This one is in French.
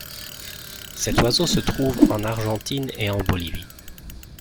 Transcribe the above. Cet oiseau se trouve en Argentine et en Bolivie.